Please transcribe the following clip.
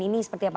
ini seperti apa